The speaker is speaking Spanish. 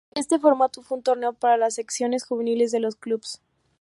Este formato fue un torneo para las secciones juveniles de los clubes.